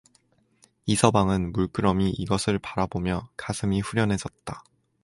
이서방은 물끄러미 이것을 바라보며 가슴이 후련해졌다.